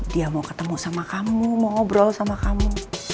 dia mau ketemu sama kamu mau ngobrol sama kamu